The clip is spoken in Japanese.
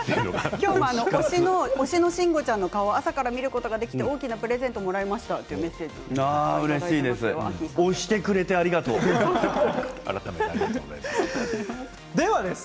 きょうも推しの慎吾ちゃんの顔を朝から見ることができてプレゼントをもらいましたというメッセージがうれしいです